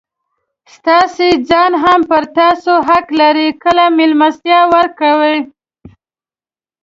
ستاسي ځان هم پر تاسو حق لري؛ کله مېلمستیا ورکوئ!